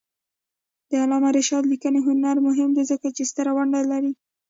د علامه رشاد لیکنی هنر مهم دی ځکه چې ستره ونډه لري.